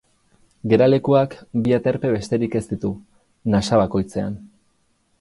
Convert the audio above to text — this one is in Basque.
Geralekuak bi aterpe besterik ez ditu, nasa bakoitzean.